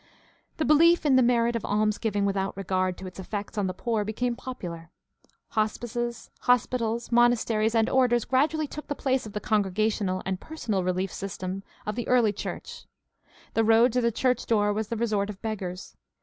The belief in the merit of almsgiving without regard to its effects on the poor became popular. ' Hospices, hospitals, monasteries, and orders gradually took the place of the congregational and personal relief system of the early church. The road to the church door was the resort of beggars.